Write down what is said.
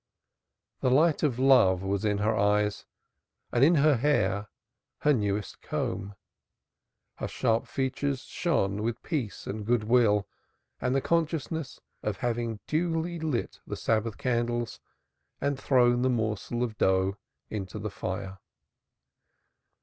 The light of love was in her eyes, and in her hair her newest comb. Her sharp features shone with peace and good will and the consciousness of having duly lit the Sabbath candles and thrown the morsel of dough into the fire.